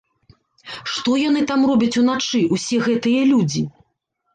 Што яны там робяць уначы, усе гэтыя людзі?!